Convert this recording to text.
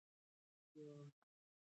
لیکوال په خپلو لیکنو کې خورا دقیق دی.